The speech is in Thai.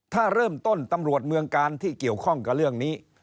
ถ้าเริ่มต้นตำรวจเมืองกาลที่เกี่ยวข้องกับเรื่องนี้